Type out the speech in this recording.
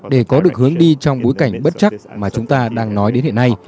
để có được hướng đi trong bối cảnh bất chắc mà chúng ta đang nói đến hiện nay